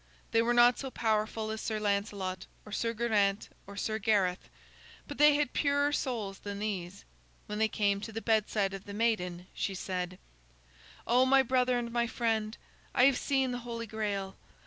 They were not so powerful as Sir Lancelot or Sir Geraint or Sir Gareth, but they had purer souls than these. When they came to the bedside of the maiden, she said: "Oh, my brother and my friend, I have seen the Holy Grail.